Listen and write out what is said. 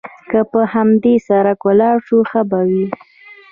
که پر همدې سړک ولاړ شو، ښه به وي.